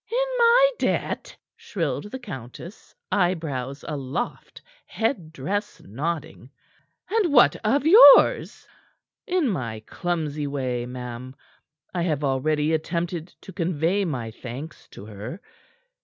"In my debt?" shrilled the countess, eyebrows aloft, head dress nodding. "And what of yours?" "In my clumsy way, ma'am, I have already attempted to convey my thanks to her.